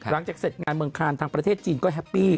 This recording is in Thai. หลังจากเสร็จงานเมืองคานทางประเทศจีนก็แฮปปี้